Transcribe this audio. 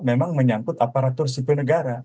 memang menyangkut aparatur sipil negara